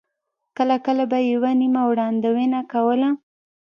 کله کله به یې یوه نیمه وړاندوینه کوله.